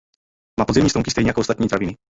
Má podzemní stonky stejně jako ostatní traviny.